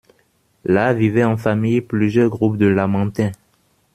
Là vivaient en famille plusieurs groupes de lamantins.